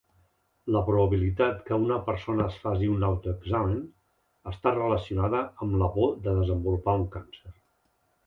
La probabilitat que una persona es faci un autoexamen està relacionada amb la por de desenvolupar un càncer.